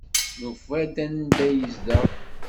Nufa-d anda ay yezdeɣ.